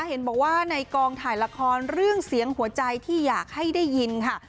เห็นบอกว่าในกองถ่ายละครเรื่องเสียงหัวใจที่อยากให้ได้ยินค่ะ